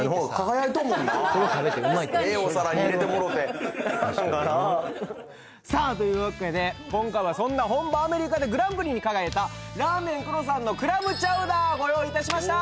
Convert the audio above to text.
じゃあ確かにさあというわけで今回はそんな本場アメリカでグランプリに輝いたラーメン９６３のクラムチャウダーご用意いたしました！